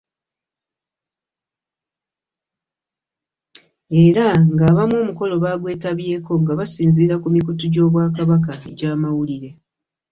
Era ng'abamu omukolo bagwetabyeko nga basinziira ku mikutu gy'Obwakabaka egy'amawulire